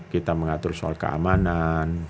kita mengatur soal keamanan